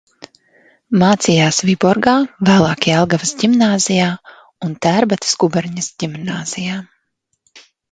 Mācījās Viborgā, vēlāk Jelgavas ģimnāzijā un Tērbatas guberņas ģimnāzijā.